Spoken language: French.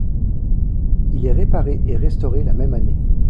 Il est réparé et restauré la même année.